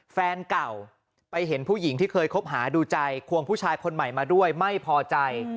แฟนเก่าไปเห็นผู้หญิงที่เคยคบหาดูใจควงผู้ชายคนใหม่มาด้วยไม่พอใจ